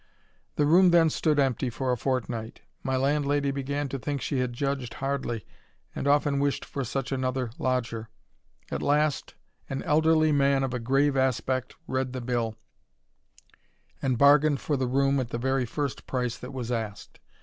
The room then stood empty for a fortnight : my landlady began to think she had judged hardly, and often wished for such another lodger. At last, an elderly man of a grave aspect read the bill, and bargained for the room at the very first price that was asked.